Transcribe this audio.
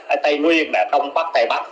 ở tây nguyên đông bắc tây bắc